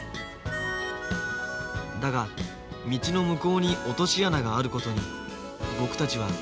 だが道の向こうに落とし穴があることに僕たちは気付いていなかった